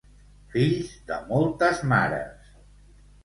Fills de moltes mares.